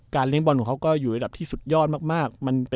เลี้ยงบอลของเขาก็อยู่ระดับที่สุดยอดมาก